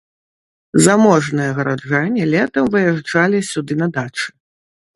Заможныя гараджане летам выязджалі сюды на дачы.